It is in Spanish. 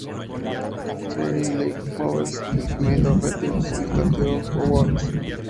They're like novels made of objects instead of words.